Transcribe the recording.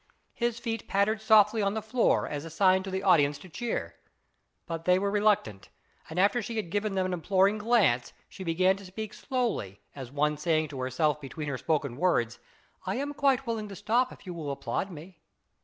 His feet pattered softly on the floor, as a sign to the audience to cheer, but they were reluctant, and after she had given them an imploring glance, she began to speak slowly, as one saying to herself between her spoken words, " I am still quite willing to stop if you will applaud me."